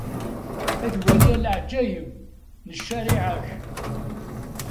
Ad waliɣ leɛǧayeb n ccariɛa-k.